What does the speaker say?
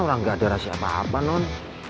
orang gak ada rahasia apa apa non